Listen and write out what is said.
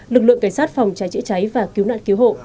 lực lượng cảnh sát phòng cháy chữa cháy và cứu nạn cứu hộ